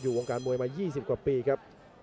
วงการมวยมา๒๐กว่าปีครับ